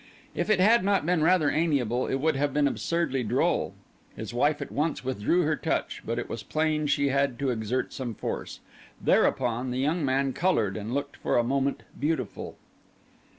If it had not been rather amiable, it would have been absurdly droll. His wife at once withdrew her touch; but it was plain she had to exert some force. Thereupon the young man coloured and looked for a moment beautiful.